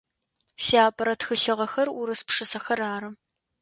Сиапэрэ тхылъыгъэхэр урыс пшысэхэр ары.